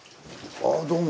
あぁどうも。